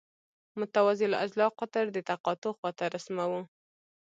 متوازی الاضلاع قطر د تقاطع خواته رسموو.